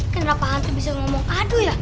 kenapa hantu bisa ngomong aduh ya